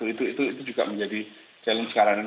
itu juga menjadi challenge sekarang